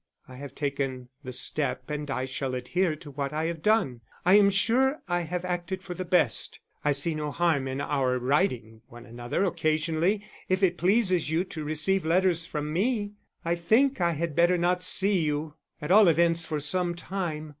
I have taken the step, and I shall adhere to what I have done. I am sure I have acted for the best. I see no harm in our writing to one another occasionally if it pleases you to receive letters from me. I think I had better not see you, at all events for some time.